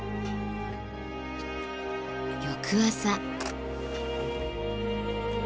翌朝。